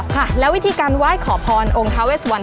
ค่ะแล้ววิธีการว่ายขอพรองค์ท้าวิสุวรรณ